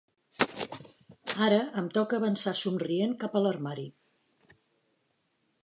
Ara em toca avançar somrient cap a l'armari.